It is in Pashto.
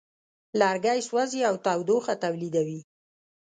لرګی سوځي او تودوخه تولیدوي.